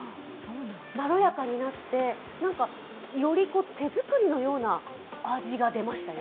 まろやかになってより手作りのような味が出ましたよ。